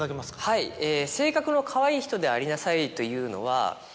はい「性格のかわいい人でありなさい」というのは。